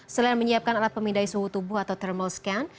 selain menyiapkan alat pemindai suhu tubuh atau thermal scan